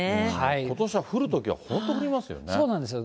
ことしは降るときは、本当降りますよね。